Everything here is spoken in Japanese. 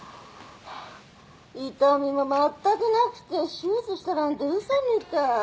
痛みもまったくなくて手術したなんて嘘みたい。